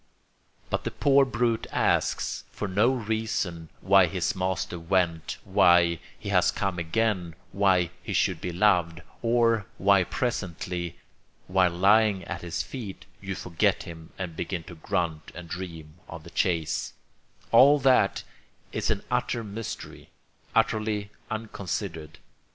But the poor brute asks for no reason why his master went, why he has come again, why he should be loved, or why presently while lying at his feet you forget him and begin to grunt and dream of the chase—all that is an utter mystery, utterly unconsidered.